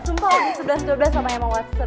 sumpah ini sebelas dua belas sama emma watson